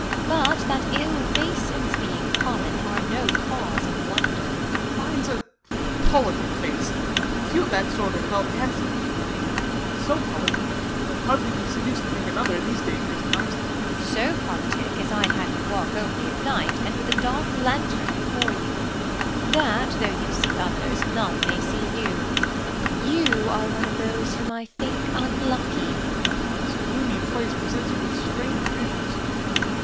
But that ill faces, being common, are No cause of Avonder. Ben. Mine's a politic face ; and few of that sort Are held handsome ; so politic that it Will hardly be seduc'd to make another In these dangerous times. V. M 178 THE LAW AGAINST LOVERS, Beat. So politic, as I'd have you walk only At night, and with a dark lanthorn before you ; That, though you see others, none may see you. You are one of those whom I think unlucky. Ben. This gloomy place presents you with strange visions.